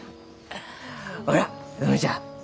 ほら園ちゃん。